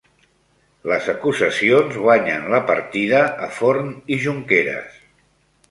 Les acusacions guanyen la partida a Forn i Junqueras